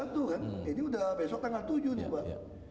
ini udah besok tanggal tujuh nih pak